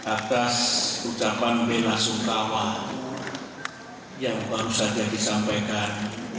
atas ucapan bela sungkawa yang baru saja disampaikan